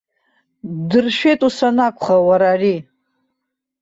Ддыршәеит ус анакәха уара ари!